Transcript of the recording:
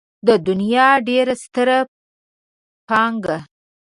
د دنيا ډېره ستره پانګه.